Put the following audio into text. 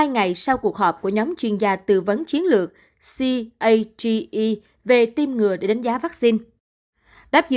hai ngày sau cuộc họp của nhóm chuyên gia tư vấn chiến lược cage về tiêm ngừa để đánh giá vaccine